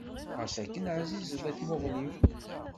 Ɣas akken εzizeḍ i tmuɣli-w.